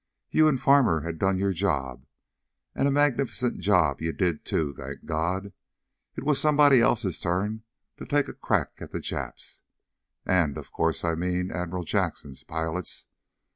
"You and Farmer had done your job, and a magnificent job you did, too, thank God! It was somebody else's turn to take a crack at the Japs. And, of course, I mean Admiral Jackson's pilots.